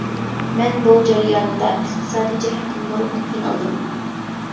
مەن بۇ جەريانىدا ئىقتىسادى جەھەتتىن نۇرغۇن قىينالدىم.